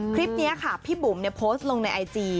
คลิปนี้ค่ะพี่บุ๋มโพสต์ลงในไอจี